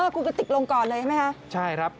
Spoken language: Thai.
คุณกติกลงก่อนเลยใช่ไหมคะใช่ครับ